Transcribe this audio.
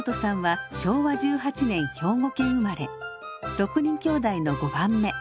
６人きょうだいの５番目。